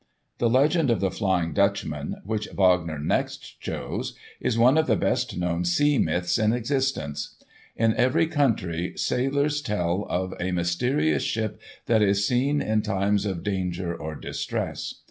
The legend of "The Flying Dutchman," which Wagner next chose, is one of the best known sea myths in existence. In every country sailors tell of a mysterious ship that is seen in times of danger or distress.